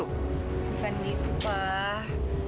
bukan gitu pak